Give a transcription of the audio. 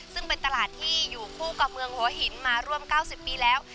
ซึ่งเป็นตลาดที่อยู่คู่กับเมืองหัวหินมาร่วม๙๐ปีแล้ว